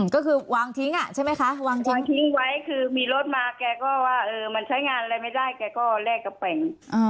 ก็คือวางทิ้งอ่ะใช่ไหมคะวางทิ้งไว้คือมีรถมาแกก็ว่ามันใช้งานอะไรไม่ได้แกก็แลกกระแป๋ง